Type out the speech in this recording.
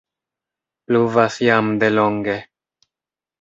Pluvas jam de longe.